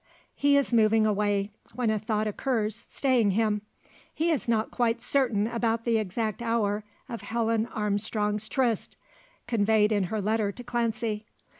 He is moving away, when a thought occurs staying him. He is not quite certain about the exact hour of Helen Armstrong's tryst, conveyed in her letter to Clancy.